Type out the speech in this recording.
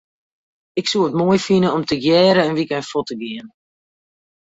Ik soe it moai fine om tegearre in wykein fuort te gean.